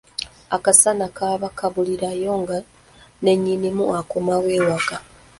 Akasana kaba kabulirayo nga ne nnyinimu akomawo ewaka.